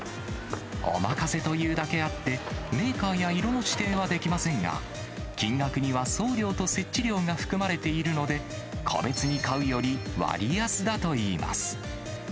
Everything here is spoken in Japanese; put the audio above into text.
お任せというだけあって、メーカーや色の指定はできませんが、金額には送料と設置料が含まれているので、個別に買うより割安だといいます。